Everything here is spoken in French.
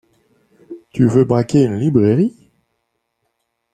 Tu veux braquer une librairie ?